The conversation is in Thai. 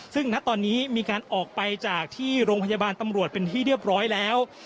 ซึ่งณตอนนี้มีการออกไปจากที่โรงพยาบาลตำรวจเป็นที่เรียบร้อยแล้ว